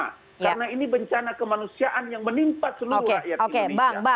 karena ini bencana kemanusiaan yang menimpa seluruh rakyat indonesia